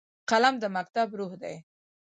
قلم د مکتب روح دی